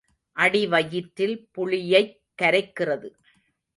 அடிவயிற்றில் புளியைக் கரைக்கிறது.